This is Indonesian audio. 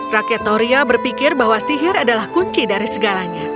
rakyat toria berpikir bahwa sihir adalah kunci dari segalanya